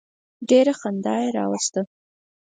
ډېره خندا یې راوسته.